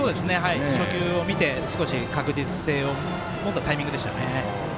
初球を見て確実性を求めたタイミングでしたね。